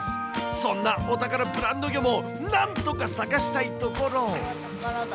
そんなお宝ブランド魚もなんとか探したいところ。